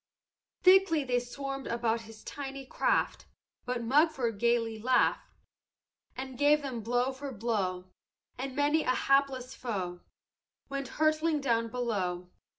"Thickly they swarmed about his tiny craft; But Mugford gayly laughed And gave them blow for blow; And many a hapless foe Went hurtling down below.